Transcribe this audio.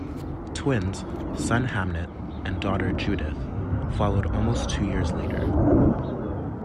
Twins, son Hamnet and daughter Judith, followed almost two years later.